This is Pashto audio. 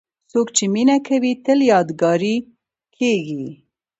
څوک چې مینه کوي، تل یادګاري کېږي.